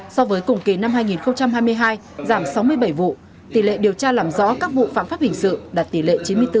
so với cùng kỳ năm hai nghìn hai mươi hai giảm sáu mươi bảy vụ tỷ lệ điều tra làm rõ các vụ phạm pháp hình sự đạt tỷ lệ chín mươi bốn bốn